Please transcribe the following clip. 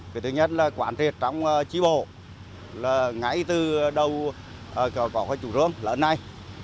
cái thứ nhất là quản triệt trong trí bộ ngay từ đầu có cái chủ rưỡng lớn này